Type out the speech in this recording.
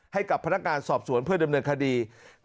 ให้กับพนักงานสอบสวนเพื่อดำเนินคดี